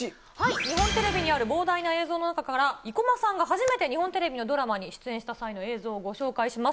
日本テレビにある膨大な映像の中から、生駒さんが初めて日本テレビのドラマに出演した際の映像をご紹介します。